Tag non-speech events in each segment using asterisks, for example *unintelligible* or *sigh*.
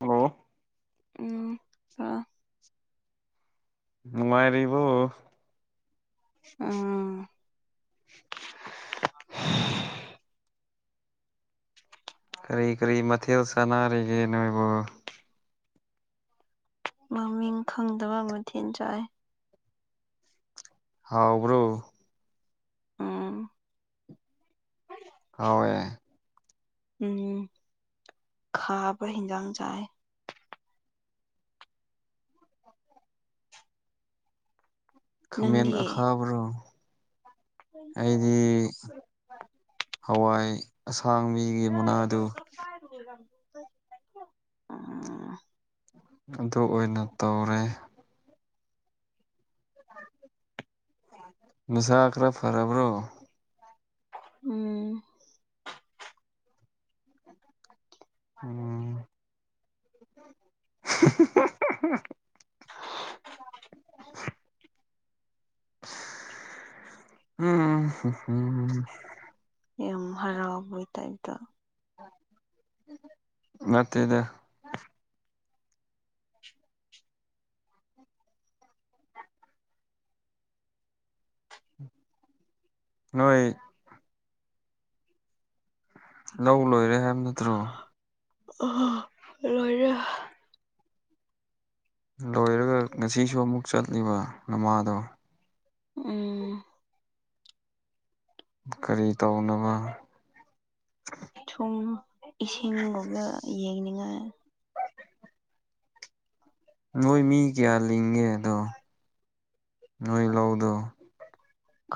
ꯍꯜꯂ ꯎꯝ ꯑ ꯃꯉꯥꯏꯔꯔꯤꯕꯣ ꯑꯥ ꯀꯔꯤ ꯀꯔꯤ ꯃꯊꯦꯜ ꯁꯥꯟꯅꯔꯤꯒꯦ ꯅꯣꯏꯕꯨ ꯃꯃꯤꯡ ꯈꯪꯗꯕ ꯃꯊꯦꯜ ꯆꯥꯏ ꯍꯥꯎꯕ꯭ꯔꯣ ꯎꯝ ꯍꯋ ꯎꯝ ꯈꯥꯕ ꯍꯟꯖꯥꯡ ꯆꯥꯏ ꯈꯃꯦꯟ ꯅꯪꯗꯤ ꯑꯈꯥꯕ ꯔꯣ ꯑꯩꯗꯤ ꯍꯋꯥꯏ ꯊꯥꯡ ꯃꯤꯒꯤ ꯃꯅꯥꯗꯨ ꯑꯝ ꯑꯗꯨ ꯑꯣꯏꯅ ꯇꯧꯔꯦ ꯃꯁꯥꯈꯔ ꯐꯔꯔꯕ꯭ꯔꯣ ꯎꯝ ꯎꯝ *inaudible* ꯎꯝ ꯎꯝ ꯎꯝ ꯌꯥꯝ ꯍꯔꯥꯎ ꯑꯕꯨꯣꯏꯇꯥꯏꯗꯣ ꯃꯠꯇ ꯏꯗ ꯍꯣꯏ ꯂꯧ ꯂꯣꯏꯔꯦ ꯍꯥꯏꯕ ꯅꯠꯇ꯭ꯔꯣ ꯑ ꯂꯣꯏꯔ ꯂꯣꯏꯔꯒ ꯉꯁꯤꯁꯨ ꯑꯃꯨꯛ ꯆꯠꯂꯤꯕ ꯅꯃꯥꯗꯣ ꯎꯝ ꯀꯔꯤ ꯇꯧꯅꯕ ꯎ ꯏꯁꯤꯡꯒꯨꯝꯕ ꯌꯦꯡꯅꯤꯡꯉꯥꯏ ꯅꯣꯏ ꯃꯤ ꯀꯌꯥ ꯂꯤꯡꯒꯦ ꯑꯗꯣ ꯅꯣꯏ ꯂꯧꯗꯣ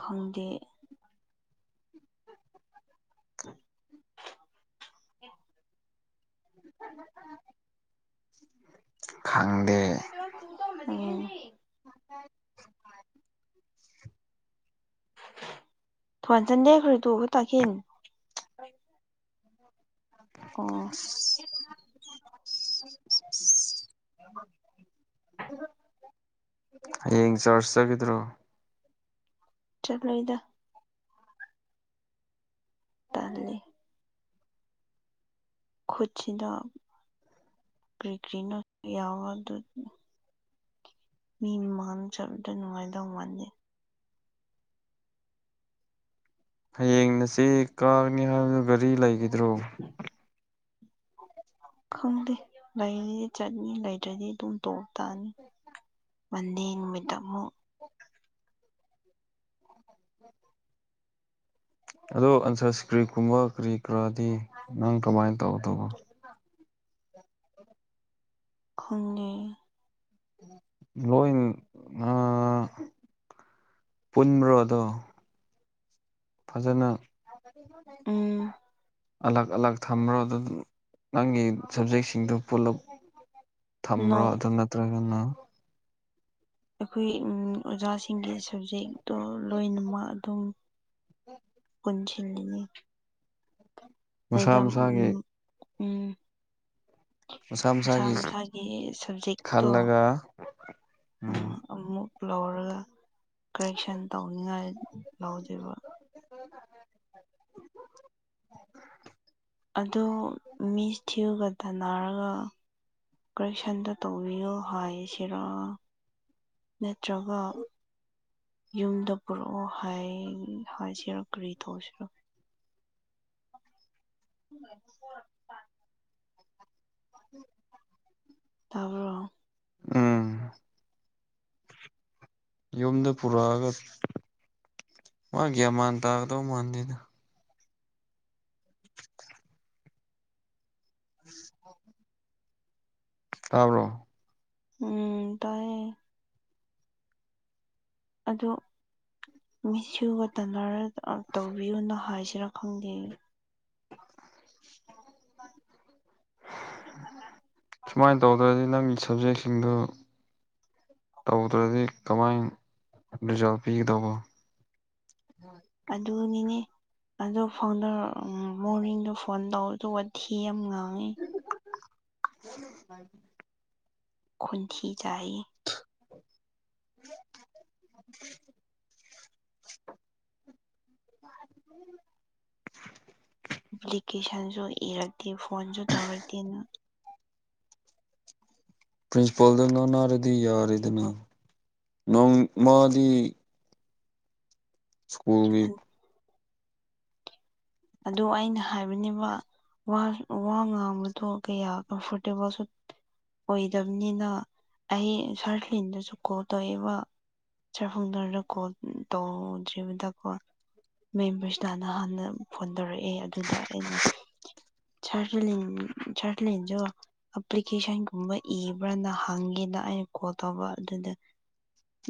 ꯈꯪꯗꯦ ꯈꯪꯗꯦ *unintelligible* *unintelligible* ꯊꯟꯁꯟ ꯗꯦꯈ꯭ꯔꯦ ꯇꯨ ꯇꯈꯤꯟ ꯑꯣ ꯐ ꯐ ꯍꯌꯦꯡ ꯆꯔꯆ ꯆꯒꯗ꯭ꯔꯣ ꯆꯠꯂꯣꯏꯗ ꯇꯥꯦ ꯈꯨꯠꯁꯤꯗ ꯀ꯭ꯔꯤ ꯀ꯭ꯔꯤꯅ ꯌꯥꯎꯋ ꯑꯗꯨ ꯃꯤ ꯃꯥꯡ ꯆꯕꯗ ꯅꯨꯡꯉꯥꯏꯗꯧ ꯃꯥꯥꯟꯂꯦ ꯍꯌꯦꯡꯅ ꯆꯦ ꯀꯥꯒꯅꯤ ꯍꯥꯏꯕꯗꯨ ꯒꯥꯔꯤ ꯂꯩꯈꯤꯗ꯭ꯔꯣ ꯈꯪꯗꯦ ꯂꯩꯔꯗꯤ ꯆꯠꯅꯤ ꯂꯩꯇ꯭ꯔꯗꯤ ꯑꯗꯨꯝ ꯇꯣꯛꯞ ꯇꯥꯅꯤ ꯃꯗꯦ ꯅꯨꯃꯤꯠ ꯑꯃꯨꯛ ꯑꯗꯣ ꯑꯟꯁꯔ ꯁꯀ꯭ꯔꯤ ꯀꯨꯝꯕ ꯀꯔꯤ ꯀꯔꯥꯗꯤ ꯅꯪ ꯀꯃꯥꯏꯅ ꯇꯧꯕ ꯇꯧꯕꯣ ꯈꯨꯟꯅꯤ ꯂꯣꯜ ꯑ ꯄꯨꯟꯃ꯭ꯔꯣꯗ ꯐꯖꯅ ꯎꯝ ꯑꯂꯛ ꯑꯜꯂꯥꯛ ꯊꯝꯃ꯭ꯔꯣ ꯑꯗꯨ ꯅꯪꯒꯤ ꯁꯕꯖꯦꯛꯁꯤꯡꯗꯨꯣ ꯄꯨꯂꯞ ꯅꯣ ꯊꯝꯕ꯭ꯔꯣ ꯑꯗꯅꯠꯇ ꯀꯅꯣ ꯑꯩꯈꯣꯏ ꯑꯣꯖꯥꯁꯤꯡꯒꯤ ꯁꯕꯖꯦꯛꯇꯣ ꯂꯣꯏꯅꯃꯛ ꯑꯗꯨꯝ ꯎ ꯅꯤ ꯍꯖ ꯃꯁꯥ ꯎ ꯃꯁꯥꯒꯤ ꯎꯝ ꯃꯁꯥ ꯃꯁꯥꯒꯤ ꯁꯕꯖꯦꯛꯇꯣ ꯈꯜꯂꯒ ꯎꯝ ꯑꯃꯨꯛ ꯂꯧꯔꯒ ꯀꯔꯦꯛꯁꯟ ꯇꯧꯅꯤꯉꯥꯏ ꯂꯧꯖꯕ *unintelligible* ꯑꯗꯨ ꯃꯤꯁ ꯊꯤꯌꯨꯒ ꯇꯟꯅꯔꯒ ꯀꯔꯦꯛꯁꯟꯗ ꯇꯧꯕꯤꯌꯣ ꯍꯥꯏꯁꯤꯔꯥ ꯅꯠꯇ꯭ꯔꯒ ꯌꯨꯝꯗ ꯄꯨꯔꯛꯑꯣ ꯍꯥꯏꯖꯔꯛꯀ꯭ꯔꯤ ꯊꯧꯁꯤꯔ ꯎ ꯎꯝ ꯑꯣ ꯎꯝ ꯌꯨꯝꯗ ꯄꯨꯔꯛꯑꯒ ꯋꯥꯒꯌꯥꯃꯥꯟ ꯇꯥꯒꯗ ꯃꯥꯟꯗꯅ ꯎ ꯇꯥꯕ꯭ꯔꯣ ꯎꯝ ꯇꯌꯦ ꯑꯗꯨ ꯃꯤꯁꯨꯒ ꯇꯅꯔ ꯇꯧꯕꯤꯌꯨꯅ ꯍꯥꯏꯁ ꯁꯤꯤꯔꯛ ꯈꯪꯗꯦ *unintelligible* ꯁꯨꯃꯥꯏꯅ ꯇꯧꯗ꯭ꯔꯗꯤ ꯅꯪꯒꯤ ꯁꯕꯖꯦꯛꯁꯤꯡꯗꯨ ꯇꯧꯗ꯭ꯔꯗꯤ ꯀꯃꯥꯏꯅ ꯔꯤꯖꯥꯜ ꯄꯤꯒꯗꯧꯕ ꯑꯗꯨꯅꯤꯅꯦ ꯑꯗꯣ ꯐꯥꯎꯟꯗꯔ ꯃꯣꯔꯅꯤꯡꯗꯣ ꯐꯣꯟ ꯇꯧ ꯇ ꯌꯥꯝꯝ ꯉꯥꯡꯉꯦ ꯍ ꯈꯟꯤ ꯆꯥꯏ *unintelligible* *unintelligible* ꯑꯦꯄ꯭ꯂꯤꯀꯦꯁꯟꯁꯨ ꯏꯔꯛꯇꯦ ꯐꯣꯟꯁꯨ ꯇꯧꯔꯛꯇꯦꯅ ꯄ꯭ꯔꯤꯟꯁꯤꯄꯥꯜꯗ ꯅ ꯅꯥꯔꯗꯤ ꯌꯥꯔꯦꯗꯅ ꯅꯣꯡ ꯃꯥꯗꯤ ꯁ꯭ꯀꯨꯜ ꯤꯛ ꯑ ꯑꯩꯅ ꯍꯥꯏꯕꯅꯦꯕ ꯋꯥ ꯉꯥꯡꯕꯗꯣ ꯀꯌꯥ ꯀꯝꯐꯣꯔꯇꯦꯕꯜꯁꯨ ꯑꯣꯏꯗꯕꯅꯤꯅ ꯑꯩ ꯁꯥꯔꯂꯤꯟꯗꯁꯨ ꯀꯣꯜ ꯇꯧꯏꯦꯕ ꯆꯔ ꯐꯨꯡꯗꯔꯔ ꯀꯣ ꯇꯣꯖꯖꯤꯕꯗ ꯀꯣ ꯃꯦꯝꯕꯔꯁꯤꯇꯅ ꯍꯥꯟꯅ ꯐꯣꯟ ꯇꯧꯔꯛꯑꯦ ꯑꯗꯨꯗ ꯑꯩꯅ ꯆꯇ ꯆꯔꯇꯂꯤꯟꯁꯨ ꯑꯦꯄ꯭ꯂꯤꯀꯦꯁꯟꯒꯨꯝꯕ ꯏꯕ꯭ꯔꯅ ꯍꯪꯒꯦꯅ ꯑꯩꯅ ꯈꯣꯠꯇꯧꯕ ꯑꯗꯨꯗ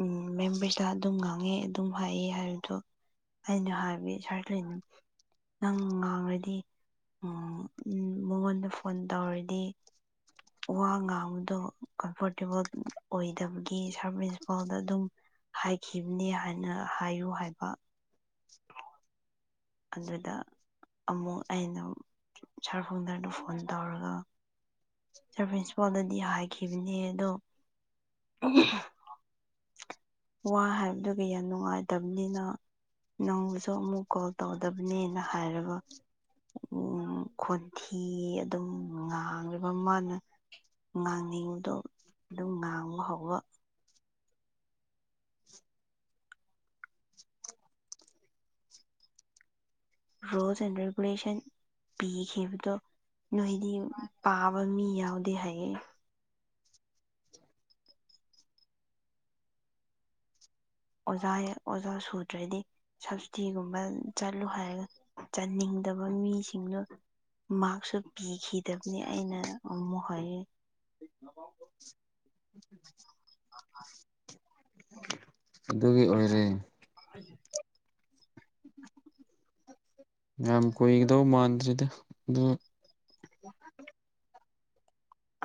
ꯎꯝ ꯃꯦꯝ ꯔꯤꯁꯂꯥ ꯑꯗꯨꯝ ꯉꯥꯡꯉꯦ ꯑꯗꯨꯝ ꯍꯥꯏꯑ ꯍꯥꯏꯕꯗꯣ ꯑꯩꯅ ꯍꯥꯏꯕ ꯁꯥꯔꯅ ꯅꯪ ꯉꯥꯡꯔꯗꯤ ꯎ ꯎ ꯃꯉꯣꯟꯗ ꯐꯣꯟ ꯇꯧꯔꯗꯤ ꯋꯥ ꯉꯥꯡꯕꯗꯣ ꯀꯝꯐꯣꯔꯇꯦꯕꯜ ꯑꯣꯏꯗꯕꯒꯤ ꯁꯥꯔꯚꯤꯁ ꯐꯥꯎꯗ ꯑꯗꯨꯝ ꯍꯥꯏꯈꯤꯕꯅꯦ ꯍꯥꯏꯅ ꯍꯥꯏꯌꯨ ꯍꯥꯏꯕ ꯑꯗꯨꯗ꯭ꯔꯗ ꯑꯃꯨꯛ ꯑꯩꯅ ꯁꯥꯔ ꯈꯣꯡꯗꯔꯅ ꯐꯣꯟ ꯇꯧꯔꯒ ꯁꯥꯔ ꯄ꯭ꯔꯤꯟꯁꯤꯄꯥꯜꯗꯗꯤ ꯍꯥꯏꯈꯤꯕꯅꯦ ꯑꯗꯣ ꯋꯥ ꯍꯥꯏꯕꯗꯨꯒ ꯌꯥꯝ ꯅꯨꯡꯉꯥꯏꯇꯕꯅꯤꯅ ꯅꯪꯁꯨ ꯑꯃꯨꯛ ꯀꯣꯜꯧ ꯇꯧꯗꯕꯅꯦꯅ ꯍꯥꯏꯔꯒ ꯎ ꯈꯣꯟꯊꯤ ꯑꯗꯨꯝ ꯉꯥꯡꯉꯕ ꯃꯥꯅ ꯉꯥꯡꯅꯤꯡꯕꯗꯣ ꯑꯗꯨꯝ ꯉꯥꯡꯕ ꯍꯧꯕ ꯔꯣꯜꯁ ꯑꯦꯟ ꯔꯦꯒꯨꯂꯦꯁꯟ ꯄꯤꯈꯤꯕꯗꯣ ꯅꯣꯏꯗꯤ ꯄꯥꯕ ꯃꯤ ꯌꯥꯎꯗꯦ ꯍꯥꯏꯌꯦ ꯑꯣꯖꯥ ꯑꯣꯖꯥ ꯁꯨꯗ꯭ꯔꯗꯤ ꯁꯞꯇꯤꯒꯨꯝꯕ ꯆꯠꯂꯨ ꯍꯥꯏꯔꯒ ꯆꯟꯅꯤꯡꯗꯕ ꯃꯤꯁꯤꯡꯅ ꯃꯥꯔꯛꯁꯨ ꯄꯤꯈꯤꯗꯕꯅꯤ ꯑꯩꯅ ꯑꯃꯨꯛ ꯍꯥꯏ ꯎ ꯑꯗꯨꯒꯤ ꯑꯣꯏꯔꯦ ꯌꯥꯝ ꯀꯨꯏꯒꯗꯧ ꯃꯥꯟꯗ꯭ꯔꯤꯗ ꯑꯗꯨ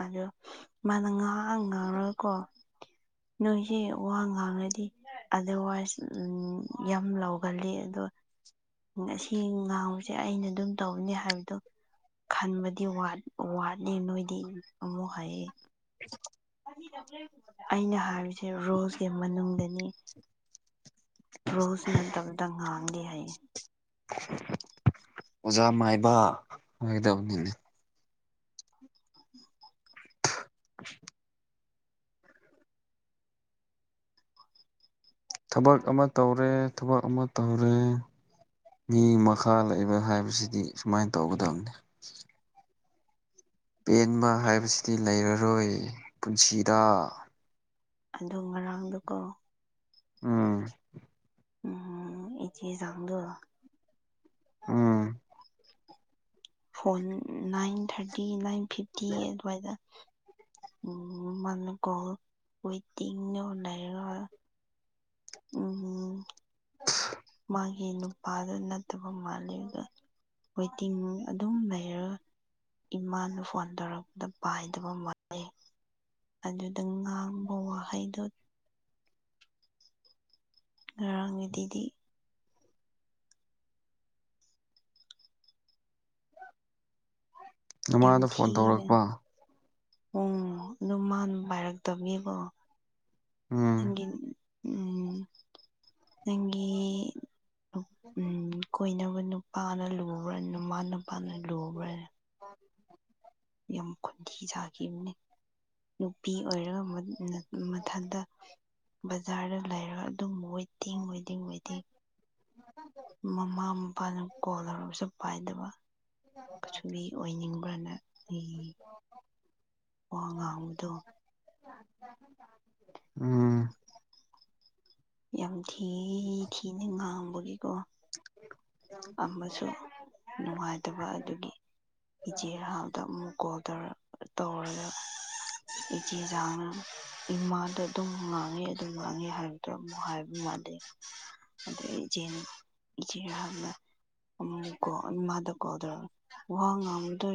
ꯑꯗꯣ ꯃꯥꯅ ꯉꯍꯥꯛꯥꯡ ꯉꯥꯡꯔꯒꯀꯣ ꯅꯣꯏꯁꯦ ꯋꯥ ꯉꯥꯡꯉꯗꯤ ꯑꯗꯔꯋꯥꯏꯁ ꯎ ꯌꯥꯝ ꯂꯧꯥꯎꯒꯜꯂꯤ ꯑꯣ ꯎ ꯑꯦꯡ ꯉꯥꯎꯔꯤ ꯁꯦ ꯑꯩꯅ ꯑꯗꯨꯝ ꯇꯧꯅꯤ ꯍꯥꯏꯕꯗꯣ ꯈꯟꯕꯗꯤ ꯋꯥꯠꯅꯤ ꯅꯣꯏꯗꯤ ꯑꯣꯣ ꯍꯥꯏꯌꯦ ꯑꯩꯅ ꯍꯥꯏꯔꯤꯁꯦ ꯔꯣꯜꯁꯀꯤ ꯃꯅꯨꯡꯗꯅꯤ ꯔꯨꯁꯅ ꯗꯕꯗꯪ ꯉꯥꯡ ꯂ ꯍꯥꯏꯏ ꯑꯣꯖꯥ ꯃꯥꯏꯕ ꯑꯣꯏꯒꯗꯕꯅꯤꯅꯦ *unintelligible* ꯊꯕꯛ ꯑꯃ ꯇꯧꯔꯦ ꯊꯕꯛ ꯑꯃ ꯇꯧꯔꯦ ꯃꯤ ꯃꯈꯥ ꯂꯩꯕ ꯍꯥꯏꯕꯁꯤꯗꯤ ꯁꯨꯃꯥꯏꯅ ꯇꯧꯒꯗꯕꯅꯤ ꯄꯦꯟꯕ ꯍꯥꯏꯕꯁꯤꯗꯤ ꯂꯩꯔꯔꯣꯏ ꯄꯨꯟꯁꯤꯗ ꯑꯗ ꯉꯔꯥꯡꯗꯨꯀꯣ ꯑꯝ ꯎꯝ ꯏꯗꯤ ꯆꯗꯣ ꯑꯝ phone nine thirty nine fifty ꯑꯗꯨꯋꯥꯏꯗ ꯎ ꯃꯒ ꯋꯇ ꯂꯩꯔ ꯎ ꯃꯥꯒꯤ ꯅꯨꯄꯥꯗꯨ ꯅꯠꯇꯕ ꯃꯥꯜꯂꯤꯒ ꯋꯦꯇꯤꯡ ꯑꯗꯨꯝ ꯂꯩꯔꯒ ꯏꯃꯥꯅ ꯐꯣꯟ ꯇꯧꯔꯛꯄꯗ ꯄꯥꯏꯗꯕ ꯃꯥꯂꯜꯂꯤ ꯑꯗꯨꯗ ꯉꯥꯡꯕ ꯋꯥꯍꯩꯗꯣ ꯉꯔꯥꯡꯒꯤꯗꯤꯤꯗꯤ ꯃꯃꯥꯗ ꯐꯣꯟ ꯇꯧꯔꯛꯄ ꯎ ꯑꯗꯨꯝ ꯃꯥ ꯄꯥꯏꯔꯛꯇꯕꯅꯦꯕꯣ ꯎꯝ ꯅꯪꯒꯤ ꯎꯝ ꯅꯪꯒꯤ ꯎꯝ ꯀꯣꯏꯅꯕ ꯅꯨꯄꯥꯅ ꯂꯨꯕ꯭ꯔ ꯅꯨꯃ ꯅꯨꯄꯥꯅ ꯎ ꯌꯥꯝ ꯈꯨꯟꯊ ꯁꯥꯈꯤꯕꯅꯤ ꯅꯨꯄꯤ ꯑꯣꯏꯔꯒꯨ ꯃꯊꯟꯇ ꯕꯖꯥꯔꯗ ꯂꯩꯔꯒ ꯑꯗꯨꯝ ꯃꯣꯏ ꯗꯤ ꯑꯣꯏꯣꯏꯗꯤ ꯑꯣꯏꯗꯤ ꯃꯃꯥ ꯃꯄꯥꯅ ꯀꯣꯜ ꯂꯧꯔꯕꯁꯨ ꯄꯥꯏꯗꯕ ꯑꯁꯨꯕꯤ ꯑꯣꯏꯅꯤꯡꯕꯅ ꯋꯥ ꯉꯨꯗꯣ ꯎꯝ ꯌꯥꯝ ꯊꯤ ꯊꯤꯅ ꯉꯥꯡꯕꯒꯤꯀꯣ ꯑꯃꯁꯨ ꯅꯨꯡꯉꯥꯏꯇꯕ ꯑꯗꯨꯒꯤ ꯆꯦ ꯍꯗ ꯃꯨꯒꯣꯗꯔ ꯇꯧꯔ *inaudible* *inaudible* ꯏꯆꯦ ꯆꯥꯡꯅ ꯏꯃꯥꯗ ꯑꯗꯨꯝ ꯉꯥꯡꯉꯤ ꯑꯗꯨꯝ ꯉꯥꯡꯉꯤ ꯍꯥꯏꯕꯗꯣ ꯑꯃꯨꯛ ꯍꯥꯏꯕ ꯃꯥꯜꯂ ꯑ ꯑ ꯏꯆꯦ ꯏꯆꯦ ꯍꯥꯏꯅ ꯎꯣ ꯃꯍꯗ ꯀꯣꯗ꯭ꯔ ꯋꯥꯍ ꯉꯥꯡꯕꯗꯣ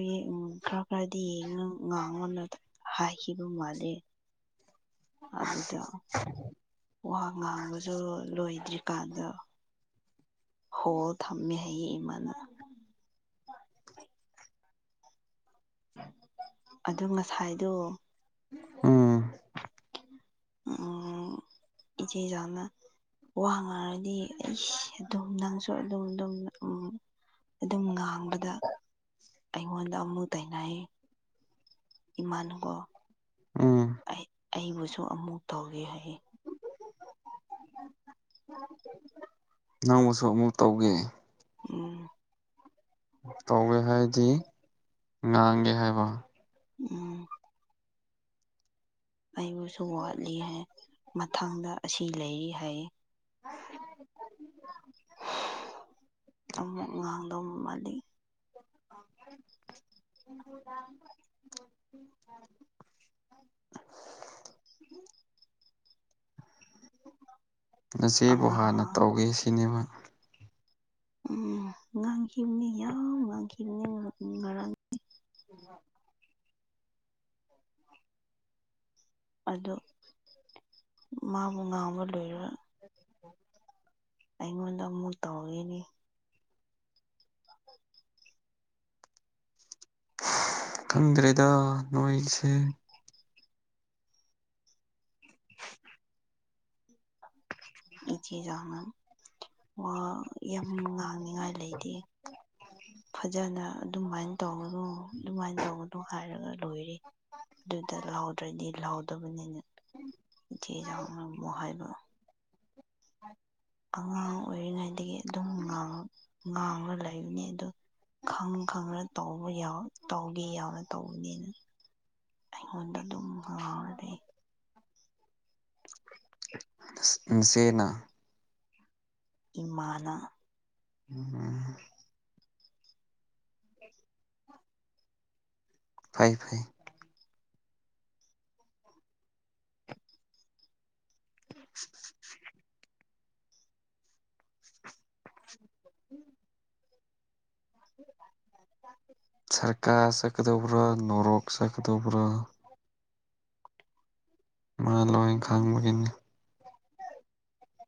ꯈꯔ ꯈꯔꯗꯤ ꯌꯦꯡ ꯉꯥꯡꯕ ꯅ ꯍꯍꯤꯕꯨꯝ ꯃꯥꯂꯦ ꯑꯗꯨꯗ ꯋꯥꯍ ꯉꯥꯡꯕꯁꯨ ꯂꯣꯏꯗ꯭ꯔꯤꯀꯥꯟꯗ ꯍꯣ ꯊꯝꯃꯦ ꯍꯌꯦ ꯏꯃꯅ ꯑꯗꯨ ꯉꯁꯥꯏꯗꯣ ꯑꯝ ꯎꯝ ꯏꯆꯖꯅ ꯋꯥꯉꯔꯗꯤ ꯑꯩ ꯑꯗꯨꯝ ꯅꯪꯁꯨ ꯑꯗꯨꯝ ꯑꯗꯨꯝ ꯑꯗꯨꯝ ꯉꯥ ꯍꯥꯡꯕꯗ ꯑꯩꯉꯣꯟꯗ ꯑꯃꯨꯛ ꯇꯅꯥꯏ ꯏꯃꯥꯟꯒꯣ ꯑꯥ ꯑꯩꯕꯨꯁꯨ ꯑꯃꯨꯛ ꯇꯧꯒꯦ ꯍꯥꯏꯌꯦ ꯅꯪꯁꯨ ꯑꯃꯨꯛ ꯇꯧꯒꯦ ꯎꯝ ꯇꯧꯋꯦ ꯍꯥꯏꯗꯤ ꯉꯥꯡꯒꯦ ꯍꯥꯏꯕ ꯎꯝ ꯑꯩꯕꯨꯁꯨ ꯋꯥꯠꯂꯤ ꯍꯥꯏ ꯃꯊꯪꯗ ꯑꯁꯤ ꯂꯩꯔꯤ ꯍꯥꯏꯌꯦ ꯉꯥꯡꯗ *inaudible* ꯎ ꯉꯆꯦꯕꯨ ꯍꯥꯟꯅ ꯑꯉꯥꯡ ꯇꯧꯒꯦ ꯁꯤꯅꯦꯕ ꯎꯝ ꯉꯥꯡꯈꯤꯕꯅꯦ ꯌꯥꯎ ꯉꯥꯡꯈꯤꯕꯅꯦ ꯉꯔꯥꯡꯅꯤ ꯎ ꯑꯣ ꯃꯥꯕꯨ ꯉꯥꯡꯕ ꯂꯣꯏꯔ *unintelligible* ꯑꯩꯉꯣꯟꯗ ꯑꯃꯨꯛ ꯇꯧꯏꯅꯤ *inaudible* ꯈꯪꯗ꯭ꯔꯦꯗ ꯅꯣꯏꯜꯁꯦ ꯏ ꯆꯦꯖꯅ ꯑꯣ ꯌꯥꯝ ꯉꯥꯡꯅꯤꯡꯉꯥꯏ ꯂꯩꯇꯦ ꯐꯖꯅ ꯑꯗꯨꯃꯥꯏꯅ ꯇꯧꯕꯅꯗꯣ ꯑꯗꯨꯃꯥꯏꯅ ꯇꯧꯕꯅꯅꯣ ꯍꯥꯏꯔꯒ ꯂꯣꯏꯔ ꯑꯗꯨꯗ ꯂꯥꯎꯗ꯭ꯔꯗꯤ ꯂꯍꯥꯎꯗꯕꯅꯤꯅ ꯏꯊꯦ ꯆꯥꯎꯅꯃꯨ ꯍꯥꯏꯕ ꯑ ꯑꯉꯥꯡ ꯑꯣꯏꯔꯤꯉꯩꯗꯒꯤ ꯑꯗꯨꯝꯥꯡ ꯉꯥꯡꯉ ꯂꯩꯕꯅꯤ ꯑꯗꯨ ꯈꯪ ꯈꯪꯅ ꯇꯧꯕ ꯇꯧꯒꯦ ꯌꯥꯎꯅ ꯇꯧꯕꯅꯤꯅ ꯑꯩꯉꯣꯟꯗ ꯑꯗꯨꯝ ꯉꯥꯎꯔꯗꯤꯦ ꯁꯅꯥ ꯏꯃꯅ ꯎꯝ ꯐꯩ ꯐꯩ *inaudible* ꯎꯝ *inaudible* ꯁꯔꯀꯥꯔ ꯁꯛꯀꯗꯕ꯭ꯔꯥ ꯅꯣꯔꯣꯛ ꯁꯛꯀꯗꯕ꯭ꯔꯥ ꯃꯥ ꯂꯣꯏ ꯈꯥꯡꯕꯒꯤꯅꯤ